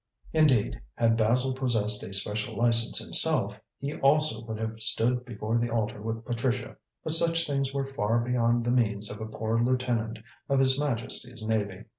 Indeed, had Basil possessed a special license himself, he also would have stood before the altar with Patricia, but such things were far beyond the means of a poor lieutenant of His Majesty's Navy.